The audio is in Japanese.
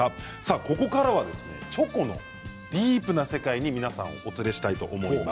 ここからはチョコのディープな世界に皆さんをお連れしたいと思います。